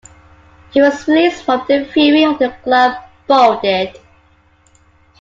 He was released from the Fury after the club folded.